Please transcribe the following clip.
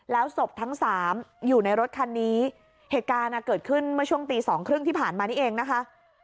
แล้วศพทั้งสามอยู่ในรถคันนี้เหตุการณ์เกิดขึ้นเมื่อช่วงตีสองครึ่งที่ผ่านมานี่เองนะคะ